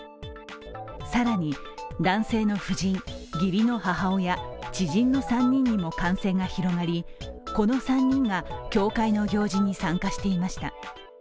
更に、男性の夫人、義理の母親、知人の３人にも感染が広がり、この３人が教会の行事に参加していました。